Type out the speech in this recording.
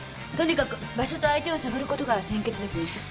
とにかく場所と相手を探ることが先決ですね。